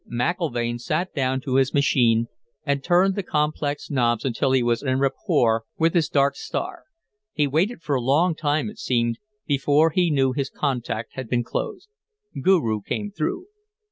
McIlvaine sat down to his machine and turned the complex knobs until he was en rapport with his dark star. He waited for a long time, it seemed, before he knew his contact had been closed. Guru came through.